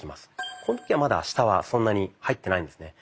この時はまだ下はそんなに入ってないんですね。